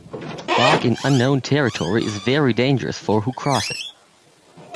Fog in unknown territory is very dangerous for who cross it.